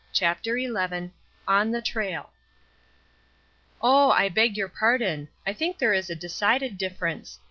CHAPTER XI ON THE TRAIL " r\H, I beg your pardon; I think there is a ^^ decided difference.